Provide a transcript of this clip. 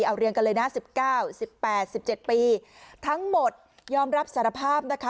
เอาเรียงกันเลยนะ๑๙๑๘๑๗ปีทั้งหมดยอมรับสารภาพนะคะ